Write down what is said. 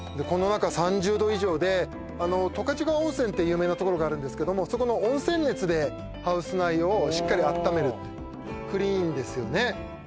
この中３０℃以上で十勝川温泉って有名なところがあるんですけどもそこの温泉熱でハウス内をしっかりあっためるクリーンですよね